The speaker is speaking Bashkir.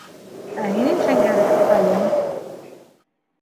Ә һинең, Шәңгәрәй, атайың.